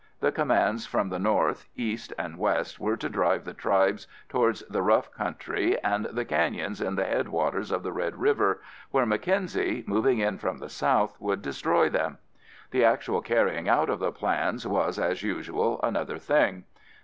The commands from the north, east and west were to drive the tribes towards the rough country and the canyons in the headwaters of the Red River, where Mackenzie, moving in from the south, would destroy them. The actual carrying out of the plans, was, as is usual, another thing.